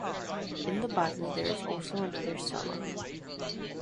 In the Bible there is also another Sela.